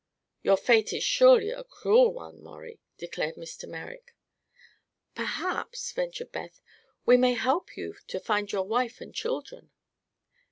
"Your fate is surely a cruel one, Maurie," declared Mr. Merrick. "Perhaps," ventured Beth, "we may help you to find your wife and children."